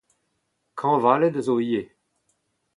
Kañvaled a zo ivez.